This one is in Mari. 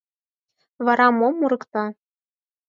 Вара мом мурыкта?